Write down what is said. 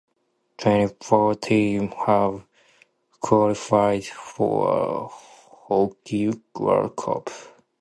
Twenty-four teams have qualified for a Hockey World Cup.